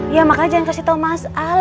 ya makanya jangan kasih tahu mas al